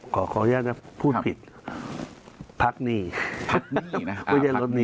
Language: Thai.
ขออนุญาตน่ะพูดผิด